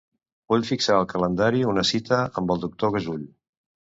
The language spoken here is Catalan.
Vull fixar al calendari una cita amb el doctor Gasull.